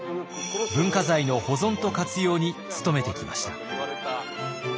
文化財の保存と活用に努めてきました。